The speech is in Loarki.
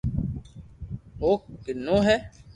او ڪنو ھي